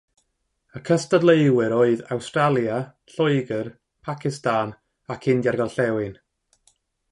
Y cystadleuwyr oedd Awstralia, Lloegr, Pacistan ac India'r Gorllewin.